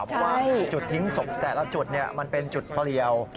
เพราะว่าจุดทิ้งศพแต่ละจุดมันเป็นจุดเปลี่ยว